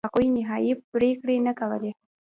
هغوی نهایي پرېکړې نه کولې.